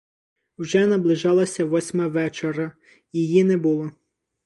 Вже наближалася восьма вечора — її не було.